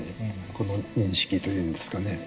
この認識というんですかね。